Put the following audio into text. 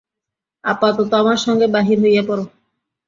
আপাতত আমার সঙ্গে বাহির হইয়া পড়ো।